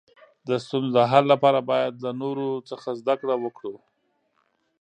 د ستونزو د حل لپاره باید له نورو څخه زده کړه وکړو.